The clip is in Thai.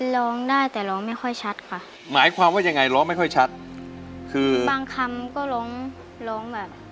ร้องได้แต่ร้องไม่ค่อยชัดค่ะ